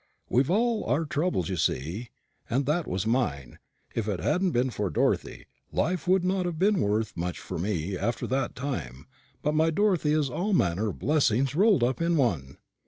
We've all our troubles, you see, and that was mine; and if it hadn't been for Dorothy, life would not have been worth much for me after that time but my Dorothy is all manner of blessings rolled up in one."